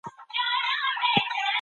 ماشومان باید د مطالعې لپاره وخت ولري.